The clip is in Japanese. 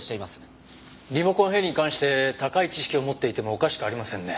リモコンヘリに関して高い知識を持っていてもおかしくありませんね。